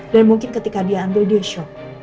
dan mungkin ketika dia ambil dia shock